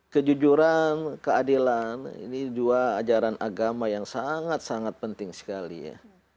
kejujuran keadilan ini dua ajaran agama yang sangat sangat penting sekali ya